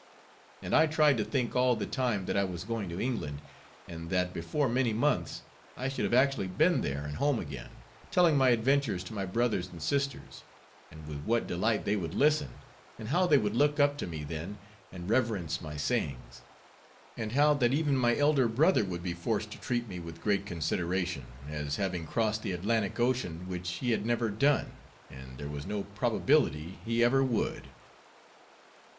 And I tried to think all the time, that I was going to England, and that, before many months, I should have actually been there and home again, telling my adventures to my brothers and sisters; and with what delight they would listen, and how they would look up to me then, and reverence my sayings; and how that even my elder brother would be forced to treat me with great consideration, as having crossed the Atlantic Ocean, which he had never done, and there was no probability he ever would.